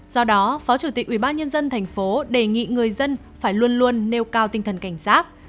do đó phó chủ tịch ubnd tp đề nghị người dân phải luôn luôn nêu cao tinh thần cảnh giác